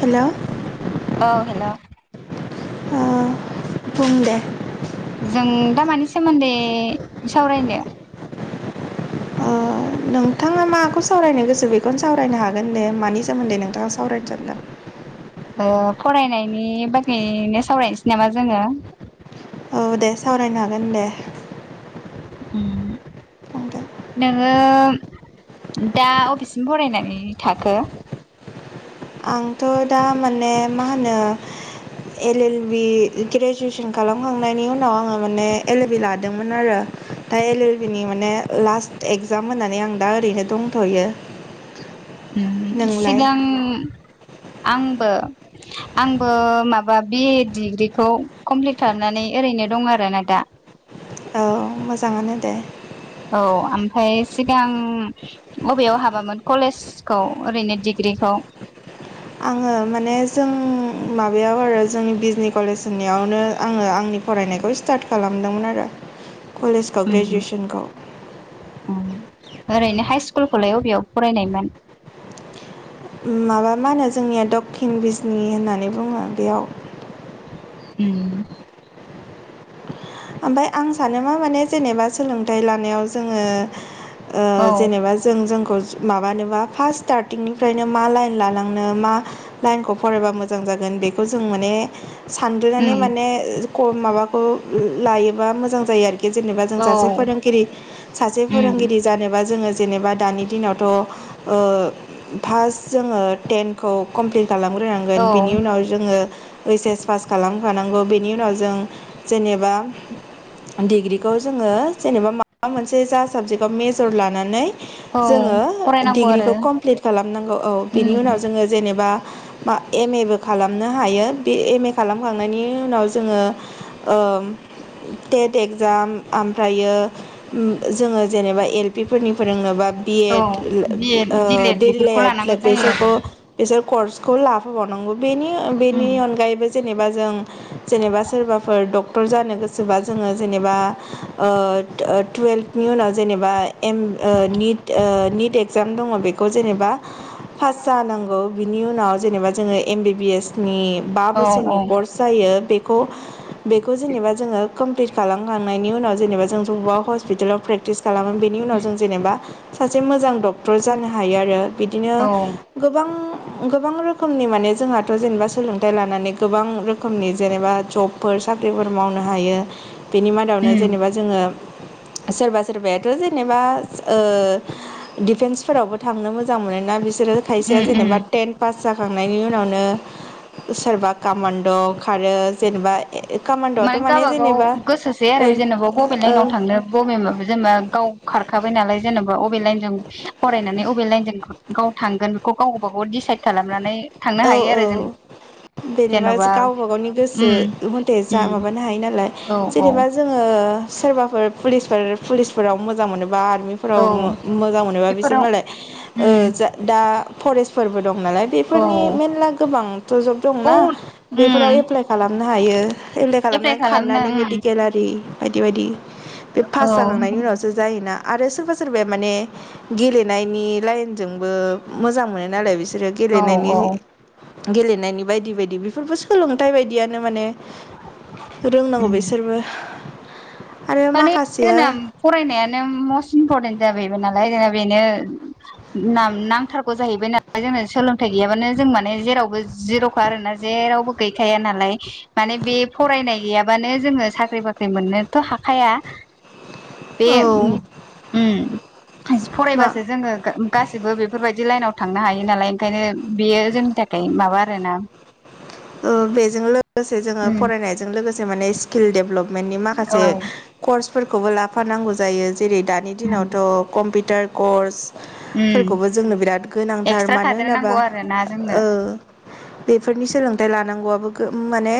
हेल' औ हेल'। ओ बुं दे जों दा मानि सोमोन्दै सावरायनो? [inaudible] नोंथाङा माखौ सावरायनो गोसो बेखौनो सावरायनो हागोन दे मानि सोमोन्दै नोंथाङा सावरायनो सानदों? ओ फरायनायनि बागैनो सावरायनोसै नामा जोङो औ दे सावरायनो हागोन दे। उम बुंदो नोङो दा अबिससिम फरायनानै थाखो? आंथ' दा माने मा होनो एल एल बि ग्रेजुवेसन खालामखांनायनि उनाव आङो माने एल एल बि लादोंमोन आरो। दा एल एल बि नि माने लास्ट एक्जाम होननानै आं दा ओरैनो दंथ'यो। नोंलाय सिगां आंबो आंबो माबा बि ए डिग्रिखौ कमप्लिट खामनानै ओरैनो दं आरो ना दा औ मोजाङानो दे औ ओमफ्राय सिगां बबेयाव हाबामोन कलेजखौ ओरैनो डिग्रि बिखौ आङो माने जों माबायाव आरो जोंनि बिजनि कलेज होननियावनो आङो आंनि फरायनायखौ स्टार्ट खालामदोंमोन आरो। [unintelligible] कलेजखौ उम ग्रेजुवेसनखौ उम ओरैनो हाइ स्कुलखौलाय अबेयाव फरायनायमोन? ओम माबा मा होनो जोंनिया दक्षिन बिजनि होननानै बुङो बेयाव उम ओमफफ्राय आं सानो मा माने जेनेबा सोलोंथाइ लानायाव जोङो ओ औ जेनेबा जों जोंख खौ माबानोबा फार्स स्टार्टिंनिफ्रायनो मा लाइन लालांनो मा लाइनखौ फरायबा मोजां जायो। जागोन बेखौ जों माने उम सानग्रोनानै माने खम माबाखौ लायोबा मोजां जायो आरो खि जेनेबा जों औ सासे फोरोंगिरि सासे उम फोरोंगिरि जानोबा जोङो जेनेबा दानि दिनावथ'ओ फास जोङो टेनखौ कमप्लिट औ खालामग्रोनांगोन बिनि उनाव जोङो ओइस एस पास खालामखानांगौ बेनि उनाव जों जेनेबा डिग्रिखौ जोङो जेनेबा माबा मोनसे जा साबजेक्टआव मेजर लानानै औ जोङो फरायनांगौ आरो डिग्रिखौ कमप्लिट खालामनांगौ औ बिनि उम उनाव जोङो जेनेबा एम ए बो खालामनो हायो बे एम ए खालामखांनायनि उनाव जोङो ओ टेट एक्जाम आमफ्रायो जोङो जेनेबा एल पि फोरनि फोरोंनोबा बि औ एड बि एड ओ दिलेड डि बेफोरखौ लेड लानांगौ जायो आरो बिसोरखौ बिसोर कर्सखौ लाफाबावनांगौ बेनि उम बेनि अनगायैबो जेनेबा जों जेनेबा सोरबा फोर डक्टर जानो गोसोबा जोङो जेनेबा ओ ओ टुयेल्भनि उनाव जेनेबा एम ओ निट ओ निट एक्जाम दङ बेखौ जेनेबा पास जानांगौ बिनि उनाव जेनेबा जोङो एम बि बि एस नि बा औ औ बोसोरनि कर्स जायो बेखौ बेखौ जेनेबा जोङो कमप्लिट खालामखांनायनि उनाव जेनेबा जों जमा हस्पिटालाव प्रेक्टिस खालामो बेनि उनाव जों जेनेबा सासे मोजां डक्टर जानो हायो आरो बिदिनो औ गोबां गोबां रोखोमनि माने जोंहाथ' जेनेबा सोलोंथाइ लानानै गोबां रोखोमनि जेनेबा जब फोर साख्रिफोर मावनो हायो बेनि मादावनो उम जेनेबा जोङो सोरबा सोरबायाथ' जेनेबा ओ दिफेन्सफोरावबो थांनो मोजां मोनोना बिस सोरो खाइसेया उम उम जेनबा टेन पास जाखांनायनि उनावनो सोरबा कामान्ड' खारो जेनेबा माने कामान्ड'आवथ' गावबागाव जेनेबा गोसोसै आरो ओ जेनेबा बबे लाइनाव ओ थांनो बबे माबो जेनेबा गाव खार खाबाय नालाय जेनेबा अबे लाइन जों फरायनानै अबे लाइन जों गाव थांगोन बेखौ गाव गावबा गाव डिसाइद खालामनानै थांनो औ हायो औ आरो जों बेनिबा जेन'बा गावबा गावनि गोसो उम मोथेज जा उम माबानो हायो नालाय औ औ जेनेबा जोङो ओ सोरबाफोर पुलिसफोर पुलिसफोराव मोजां मोनोबा बा आर्मि फोराव औ मो-मोजां मोनोब्ला बिसोर बेफोराव मालाय ओ उम जा दा फरेस्टफोरबो दं नालाय औ बेफोरनि मेरल्ला गोबांथ' जब दंना औ बेफोराव उम एप्लाइ खालामनो हायो। एप्लइ एप्लाइ खालामनानै खालामनो खारनानै मेडिकेल आरि बायदि बायदि बे पास ओम जाखांनायनि उनावसो जायोना आरो सोरबा सोरबाया माने गेलेनायनि लाइनजोंबो मोजां मोनो नालाय बिसो सोरो औ गेलेनायनि औ गेलेनायनि बायदि बायदि बि फोरबो सोलोंथाइ बायदियानो माने रोंनांगौ उम बिसोरबो आरो माने माखासेया जोंना फरायनायानो मस्ट इम्परटेन्ट जाबायमोन नालाय जोंना बेनो नां-नांथारगौ जाहैबाय नालाय जोंनो सोलोंथाइ गैयाबानो जों माने जेरावबो जिर'खा आरोना जे जेरावबो गैखाया नालाय माने बे फरायनाय गैयाबानो जोङो साख्रि बाख्रि मोननोथ' हा खाया बे औ ओम ओम मा फरायबासो जोङो गा-गासैबो बेफोरबाय दि लाइनाव थांनो हायो नालाय ओंखायनो बियो जोंनि थाखाय माबा आरो ना ओ बेजों लोगोसे जोंङो ओम फरायनायजों लोगोसे माने स्किल डेभलप माने औ माखासे कर्सफोरखौबो लाफानांगौ जायो। जेरै दानि ओम दिनावथ' कम्पिउटार कर्स ओम फोरखौबो जोंनो बिराद गोनांथार एक्सट्रा मानो थादेरनांगौ होनोब्ला आरो ना जोंनो ओ बेफोरनि सोलोंथाइ लानांगौआबो गो माने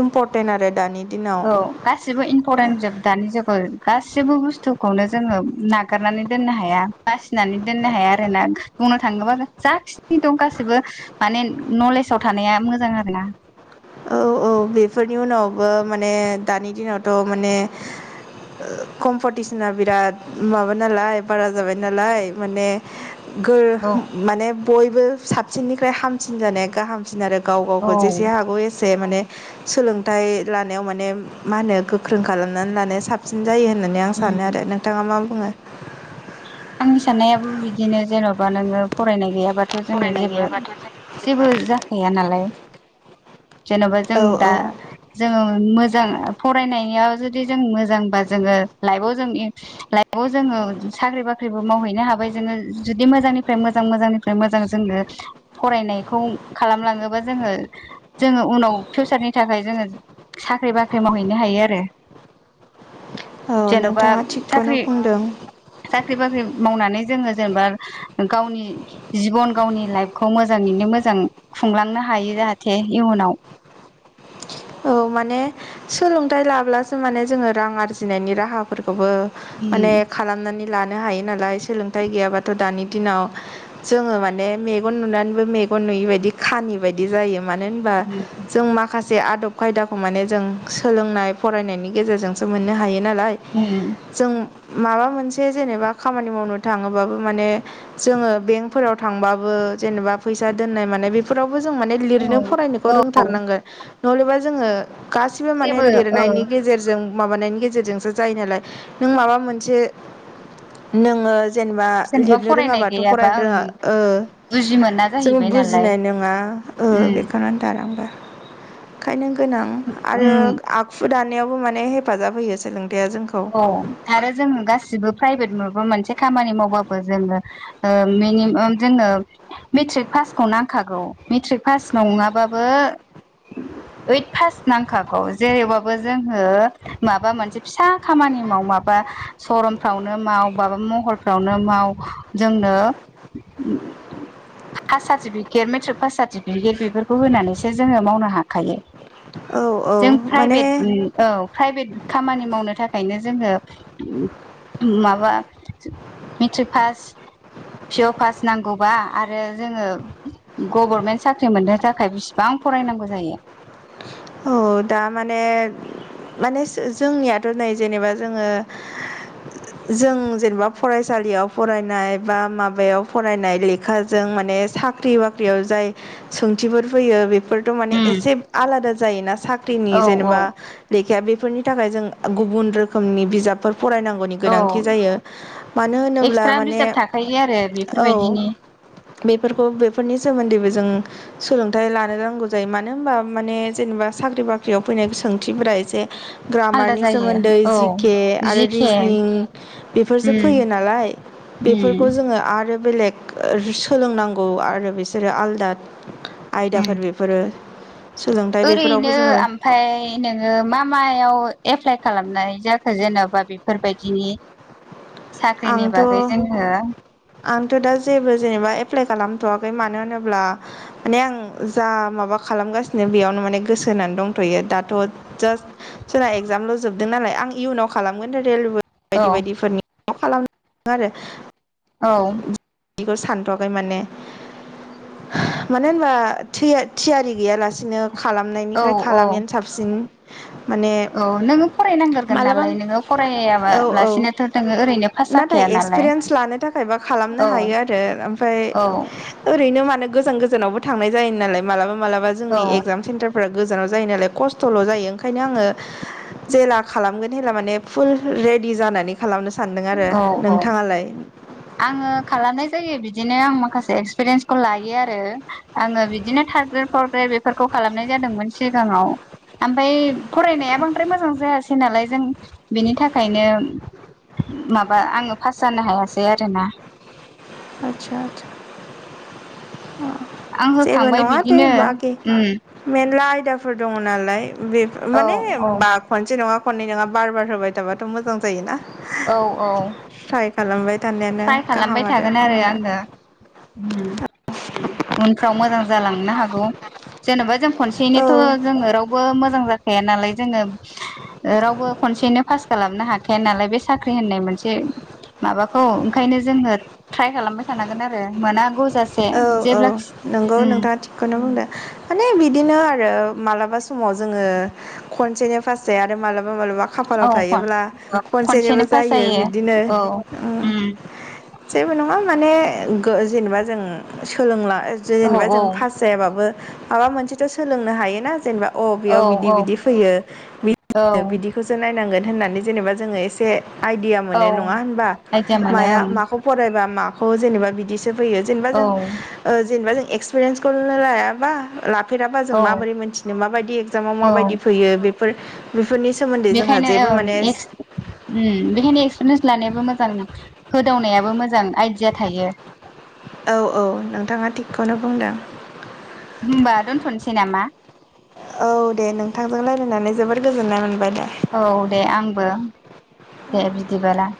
इम्परटेन्ट आरो दानि दिनाव औ गासिबो इम्परटेनजोब दानि जुगाव गास सिबो बुस्थुखौनो जोङो नागारनानै दोननो हाया बासिनानै दोननो हाया आरोना बुंनो थाङोबा जाखिनि दं गाससिबो माने नलेजाव थानाया मोजां आरोना। औ औ बेफोरनि उनावबो माने दानि दिनावथ' माने कम्पिटिसना बिराद माबा नालाय बारा जाबाय नालाय माने गो औ माने बयबो साबसिननिफ्राय हामसिन जानाया गाहामसिन आरो गाव गावखौ जेसे औ हागौ एसे से माने सोलोंथाइ लानायाव माने मा होनो गोख्रों खालामनानै लानो साबसिन जायो होननानै आं सानो आरो नोंथाङा मा बुङो? आंनि साननायाबो बिदिनो जेन'बा नोङो फरायनाय गैया बाथ' जोङो जेबो जेबो जाखैया नालाय जेन'बा जों औ दा औ जोंङो मोजां फरायनानियाव जुदि जों मोजांबा जोङो लाइफआव जों लाइफ आव जोंइो साख्रि साख्रिबो मावहैनो हाबाय जोङो जुदि मोजांनिफ्राय मोजां मोजांनिफ्राय मोजां जोंनो फरायनायखौ खालामलाङोबा जोङो जोङो उनाव फिउसारनि थाखाय जोङो साख्रि बाख्रि मावहैनो हायो आरो। औ जेन'बा नोंथाङा थिगखौनो साख्रि बुंदों सा मावनानै जोङो जेनेबा गावनि जिब'न गावनि लाइफखौ मोजाङैनो मोजां खुंलांनो हायो जाहाथे इयुनाव औ माने सोलोंथाइ लाब्लासो माने जोङो रां आरजिनायनि राहाफोरफोरखौ माने उम खालामनानै लानो हायो नालाय सोलोंथाइ गैयाबाथ' दानि दिनाव जोङो माने मेगन नुनानैबो नुयिबायदि खानि बायदि जायो मानो होनोबा उम जों माखासे आदब खायदाखौ माने जों सोलोंनाय फरायनायनि गेजेरजोंसो मोननो हायो नालाय उम जों माबा मोनसे जेनेबा खामानि मावनो थाङोबाबो माने जोङो बेंकफोराव थांबाबो जेनेबा फैसा दोननाय मानाय फोरावबो जों माने औ लिरनो फरायनोखौ औ रोंथारनांगोन नहलेबा जोङो गासिबो माने जेबो ओ लिरनायनि गेजेरजों माबानायनि गेजेरजोंसो जायो नालाय नों माबा मोनसे नोङो जेनबा जेनेबा लिरनो फरायनाय रोङाबाथ' गैयाबा फरायनो रोङा ओं ओ बुजि मोना जोङो जाहैबाय नालाय बुजिनाय नङा ओ उम बेखौनो दालांबाय खायनो गोनां आरो उम आखु दानायावबो माने हेफाजाब होयो सोलों अ आरो जोङो गासिबो प्राइभेट माबा मोनसे खामानि मावबाबो जोङो ओ मिनिमाम जोङो मेट्रिक पासखौन नांखागौ मेट्रिक फास नंआबाबो ओइथ पास नांखागौ जेरैबाबो जोङो माबा मोनसे फिसा खामानि माव माबा सरनफ्रावनो माव माबा महरफ्रावनो माव जोंनो उम बिदिनो। हा सार्टिफिकेट मेट्रिक सार्टिफिकेट बेफोरखौ होनानैसो जोङो मावनो हाखायो। औ औ जों फ्राइबेट माने उम औ फ्राइबेट खामानि मावनो था खायनो जोङो माबा मेट्रिक पास पिअ पास नांगौबा आरो जोङो गभर्मेन्ट साख्रि मोननो थाखाय बिसिबां फरायनांगौ जायो। औ दा माने माने जोंनियाथ' नै जेनेबा जोङो जों जेनेबा फरायसालियाव फरायनाय बा माबायाव फरायनाय लेखाजों माने माने साख्रि बाख्रिआव जाय सोंथिफोर फैयो बे फोरथ' माने उम एसे आलादा जायोना साख्रिनि औ औ जेनेबा लेखाया बे फोरनि थाखाय जों गुबुन रोखोम फरायनांगौनि औ गोनांथि जायो मानो होनोब्ला एक्सट्रा माने बिजाब थाखायो आरो औ बेफोरबायदिनि बेफोरखौ बेफोरनि सोमोन्दैबो जों सोलोंथाइ लानो रोंगौ जायो मानो होनबा माने जेनेबा साख्रि बाख्रियाव फैनाय सोंथिफोरा एसे आलादा ग्रामारनि जायो सोमोन्दै औ जिके आरो जिके रिजनिं बेफोरसो उम फैयो नालाय बेफोरखौ उम जोङो आरो बेलेग सोलोंनांगौ आरो बिसोरो आलदा उम आयदाफोर बेफोरो स [inaudible] ओरैनो ओमफफ्राय नोङो मा मायाव एप्लाइ खालामनाय जाखो जेन'बा बेफोरबायदिनि साख्रिनि बागै आंथ' जोङो आंथ' दा जेबो जेनेबा एप्लाइ खालामथ'वाखै मानो होनोब्ला माने आं जा माबा खालामगासिनो बेयावनो माने गोसो होनानै दंथ'यो दाथ' जास्ट सोरना एगजामल' जोबदों नालाय आं आं इयुनाव खालामगोन रेलवे औ बायदि बायदिफोरनि खालाम आरो औ बिखौ सानथ'वाखै माने मानो होनबा थया थियारि गैयालास बिदिनो औ खालामनायनिफ्राय औ खालामिआनो साबसिन माने औ नोङो फरायनांग्रोगोन मालाबा नालाय नोङो फरायाबा औ औ लासिनोथ' दोङो नाथाय एक्सपिरियेन्स लानो थाखायबा खालामनो औ हायो आरो ओमफाय औ ओरैनो मानो गोजान गोजानावबो थांनाय जायो नालाय माबा मालाबा औ जोंनि एगजाम सेन्टारफोरा गोजानाव जायो नालाय खस्थ'ल' जायो ओंखायनो आङो जेला खालामगोन हेब्ला माने फुल रेडि जानानै खालामनो सानदों आरो औ औ नोंथाङालाय? आङो खालामनाय जायो बिदिनो आं माखासे एक्सपिरियेन्सखौ लायो आरो आङो बिदिनो थार्द ग्रेड फर्थ ग्रेड बेफोरखौ खालामनाय जादोंमोन सिगाङाव ओमफ्राय फरायनाया बांद्राय मोजां जायासै नालाय। जों बेनि थाखायनो माबा आङो फास जानो हायासै रायलायना आचसा आं जेबो होखांबाय नङा दे बिदिनो बाखि उम मेनला आय दङ नालाय औ मान औ ब खनसे नङा खननै नोङा बार बार होबाय थाबाथ' मोजां जायो ना औ औ। थानायानो ट्राइ गाहाम खालामबाय थागोन आरो आङो। इयुनाव। उनफ्राव मोजां जालांनो हागौ। जेन'बा जों खनसेनिथ' औ जोङो रावबो मोजां जाखाया नालाय जोङो। ओ रावबो खनसेनो पास खालामनो हाखाया नालाय बे साख्रि होननाय मोनसे माबाखौ खायनो जोङो ट्राइ खालामबाय थानांगोन आरो मोना गुज औ औ नंगौ नोंथाङा थिगखौनो बुंदो माने बिदिनो आरो ओ मालाबा समाव जोङो खनसेनो फास जायो आरो मालाब माबा मालाबा औ खाफालाव थायोब्ला खनसेनिबो खनसेनो पास जायो बिदिनो औ उम जेबोनङा माने जेनेबा जों सोलोंला औ जेनेबा जों औ पास जायाबाबो माबा मोनसेथ' सोलोंनो हायोना जेनेबा अ औ बेयाव बिदि औ बिदि फैयो मि औ बिदिखौसो नायनांगोन होननानै जेनेबा जोङो एसे [unintelligible] फैयो औ आइदिया मोनो जेनेबा जों ओं ओ जेनेवा जों एक्सपेरिएन्सखौनो लाया नालाय थुफेराबा जों औ माबोरै मोनथिनो माबायदि एगजामाव औ माबायदि फैयो बेफोर बेफोरनि सोमोन्दै जोंहा बेखायनो जेबो ओम माने एस औ ओम बेखायनो एक्सपिरियेन्स लानायाबो मोजां होदावनायाबो मोजां आइडिया थायो। औ औ नोंथाङा थिगखौनो बुंदों। होमबा दोनथ'नोसै नामा? औ दे नोंथांजों लायरायनानै जोबोर गोजोननाय मोनबाय दे। औ दे आंबो दे बिदिबाला।